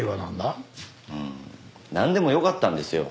なんでもよかったんですよ。